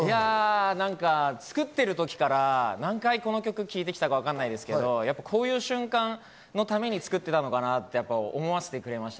作ってる時から何回この曲を聴いてきたか分からないですけど、こういう瞬間のために作ってたのかなって思わせてくれました。